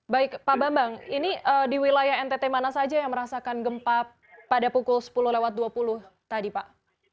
baik pak bambang ini di wilayah ntt mana saja yang merasakan gempa pada pukul sepuluh lewat dua puluh tadi pak